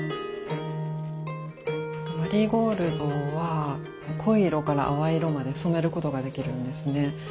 マリーゴールドは濃い色から淡い色まで染めることができるんですね。